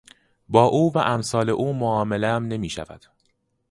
با او و امثال او معاملهام نمیشود.